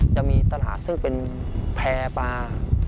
จะมีตลาดซึ่งเป็นแพร่ปลา